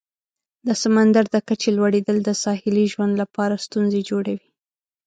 د سمندر د کچې لوړیدل د ساحلي ژوند لپاره ستونزې جوړوي.